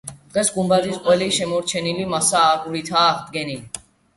დღეს გუმბათის ყელის შემორჩენილი მასა აგურითაა აღდგენილი.